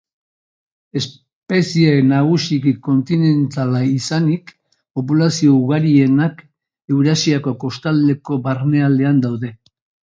Espezie nagusiki kontinentala izanik, populazio ugarienak Eurasiako kostaldeko barnealdean daude.